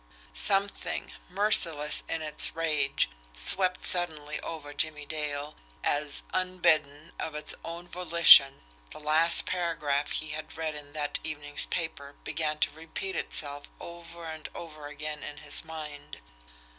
Something, merciless in its rage, swept suddenly over Jimmie Dale, as, unbidden, of its own volition, the last paragraph he had read in that evening's paper began to repeat itself over and over again in his mind.